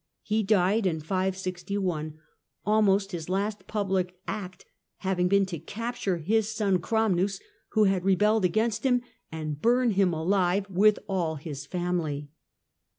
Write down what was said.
He died in 561, almost his last public act having been to capture his son Chramnus, who had rebelled against him, and burn him alive, with all his family.